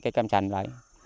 cây cam sành lại